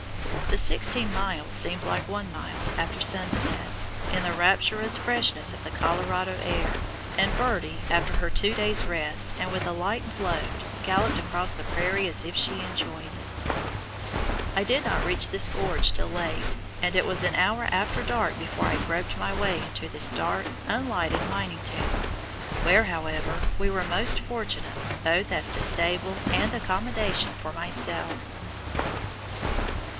That sixteen miles seemed like one mile, after sunset, in the rapturous freshness of the Colorado air, and Birdie, after her two days' rest and with a lightened load, galloped across the prairie as if she enjoyed it. I did not reach this gorge till late, and it was an hour after dark before I groped my way into this dark, unlighted mining town, where, however, we were most fortunate both as to stable and accommodation for myself.